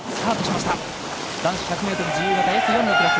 男子１００ｍ自由形Ｓ４のクラス。